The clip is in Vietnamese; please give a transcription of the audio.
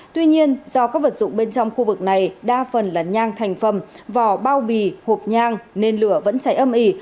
tuy nhiên do các vật dụng bên trong khu vực này đa phần là nhang thành phẩm vỏ bao bì hộp nhang nên lửa vẫn cháy âm ỉ